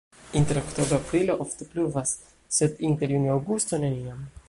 Inter oktobro-aprilo ofte pluvas, sed inter junio-aŭgusto neniam.